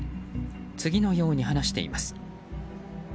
次のように話しています。